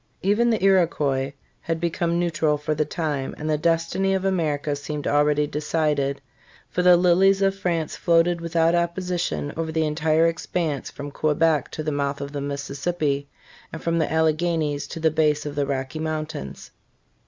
Even the Iroquois had become neutral for the time, and the destiny of America seemed already decided; for " the lilies of France floated without opposition over the entire expanse from Quebec to the mouth of the Mississippi, and from the Alleghenies to the base of the Rocky Mountains."